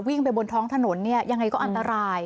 ไปบนท้องถนนเนี่ยยังไงก็อันตราย